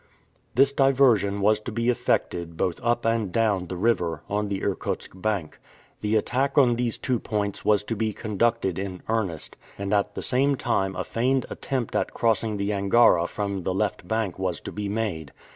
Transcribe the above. This diversion was to be effected both up and down the river, on the Irkutsk bank. The attack on these two points was to be conducted in earnest, and at the same time a feigned attempt at crossing the Angara from the left bank was to be made.